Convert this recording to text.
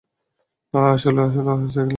আহ, আসলে, আহ, সাইকেল চালাচ্ছিলাম।